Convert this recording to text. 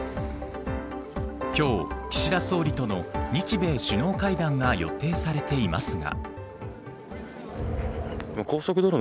今日、岸田総理との日米首脳会談が予定されていますが。